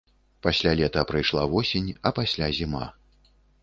Пасля лета прыйшла восень, а пасля зіма.